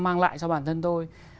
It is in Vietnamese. mang lại cho bản thân tôi